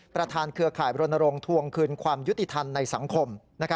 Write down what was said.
เครือข่ายรณรงค์ทวงคืนความยุติธรรมในสังคม